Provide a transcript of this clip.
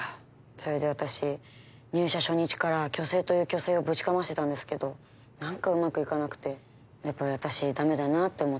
それで私入社初日から虚勢という虚勢をぶちかましてたんですけど何かうまく行かなくてやっぱり私ダメだなって思って。